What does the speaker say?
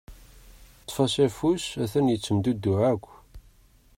Ṭṭef-as afus atan yettemdudduɛ akk.